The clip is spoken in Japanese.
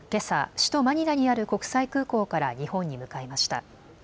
首都マニラにある国際空港から日本に向かいました。